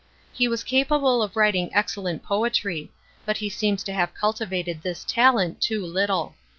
He was capable of writing excellent poetry, but he seems to have cultivated this talent too little.